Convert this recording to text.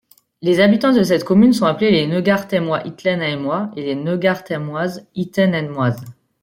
Les habitants de cette commune sont appelés les Neugartheimois Ittlenheimois et les Neugartheimoises Ittlenheimoises.